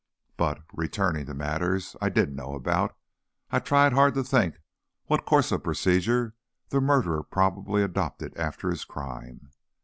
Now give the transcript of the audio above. But, returning to matters I did know about, I tried hard to think what course of procedure the murderer probably adopted after his crime.